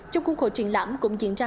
trong khuôn khổ triển lãm cũng diễn ra